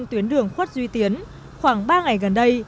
trên đường khuất duy tiến có nhiều người đã bị rác thải